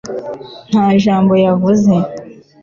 nta jambo yavuze